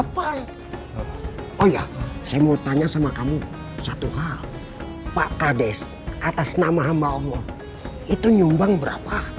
pak kades atas nama hamba allah itu nyumbang berapa